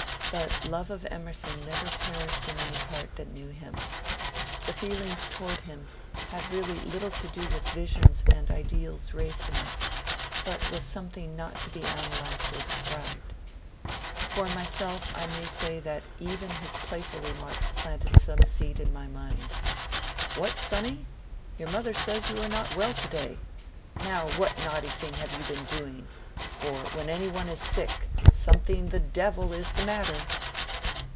But love of Emerson never perished in any heart that knew him; the feeling towards him had really little to do with visions and ideals raised in us, but was something not to be analyzed or described. For myself I may say that even his playful remarks planted some seed in my mind. *^ What, sonny ? your mother says you are not well to day. Now what naughty thing have you been doing, for when any one is sick something the devil is the matter